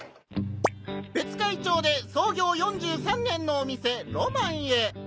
別海町で創業４３年のお店『ロマン』へ！